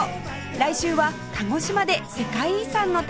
来週は鹿児島で世界遺産の旅